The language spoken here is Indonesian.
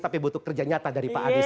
tapi butuh kerja nyata dari pak anies